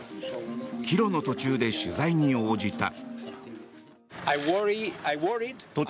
帰路の途中で取材に応じた。